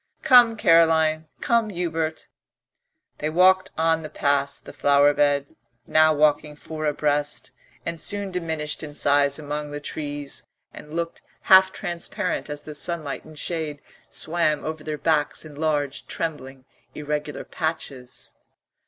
Come, Caroline, come, Hubert." They walked on past the flower bed, now walking four abreast, and soon diminished in size among the trees and looked half transparent as the sunlight and shade swam over their backs in large trembling irregular patches.